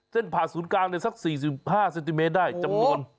เส้นผ่านศูนย์กลางเนี่ยสัก๔๕เซติเมตรได้จำนวน